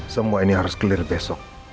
semua ini harus clear besok